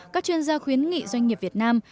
các chuyên gia khuyến nghị doanh nghiệp việt nam